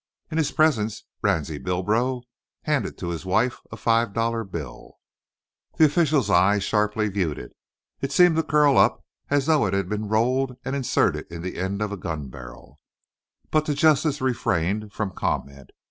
In his presence Ransie Bilbro handed to his wife a five dollar bill. The official's eye sharply viewed it. It seemed to curl up as though it had been rolled and inserted into the end of a gun barrel. But the Justice refrained from comment.